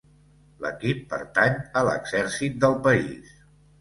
L'equip pertany a l'exèrcit del país.